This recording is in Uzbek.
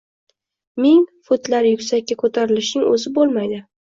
Ming futlar yuksakka ko‘tarilishning o‘zi bo‘lmaydi.